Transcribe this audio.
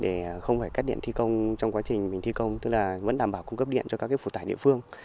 để không phải cắt điện thi công trong quá trình mình thi công tức là vẫn đảm bảo cung cấp điện cho các phụ tải địa phương